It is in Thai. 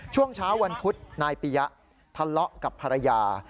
ช่วงเช้าวันพุธนายปียะทะเลาะกับภรรยา